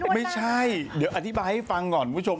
ไม่ใช่เดี๋ยวอธิบายให้ฟังก่อนคุณผู้ชม